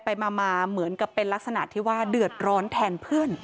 ไปมาเหมือนกับเป็นลักษณะที่ว่าเดือดร้อนแทนเพื่อน